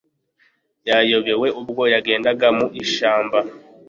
yayobewe ubwo yagendaga mu ishyamba